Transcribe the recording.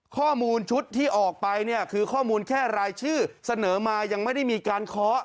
ข้อมูลชุดที่ออกไปเนี่ยคือข้อมูลแค่รายชื่อเสนอมายังไม่ได้มีการเคาะ